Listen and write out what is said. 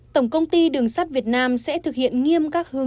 tổng công ty đường sắt việt nam sẽ thực hiện nghiêm các hướng dẫn